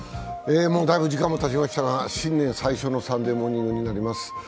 もうだいぶ時間もたちましたが新年最初の「サンデーモーニング」になります。